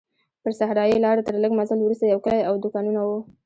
پر صحرایي لاره تر لږ مزل وروسته یو کلی او دوکانونه وو.